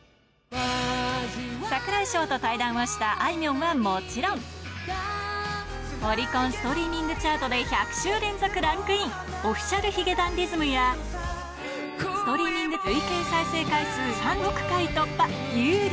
櫻井翔と対談をしたあいみょんはもちろん、オリコンストリーミングチャートで１００週連続ランクイン、Ｏｆｆｉｃｉａｌ髭男ｄｉｓｍや、ストリーミング累計再生回数３億回突破、優里。